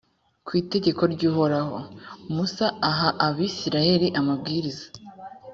ku itegeko ry’uhoraho, musa aha abayisraheli amabwiriza